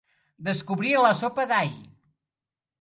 Descobrir la sopa d'all.